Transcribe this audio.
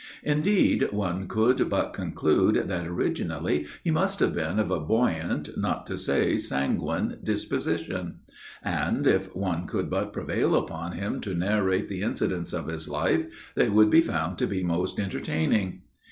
Indeed, one could but conclude that originally he must have been of a buoyant, not to say sanguine disposition; and, if one could but prevail upon him to narrate the incidents of his life, they would be found to be most entertaining.